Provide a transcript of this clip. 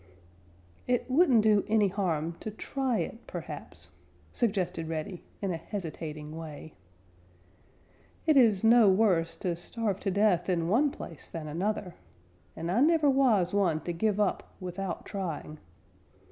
"It wouldn't do any harm to try it, perhaps," suggested Reddy, in a hesitating way. "It is no worse to starve to death in one place than another, and I never was one to give up without trying.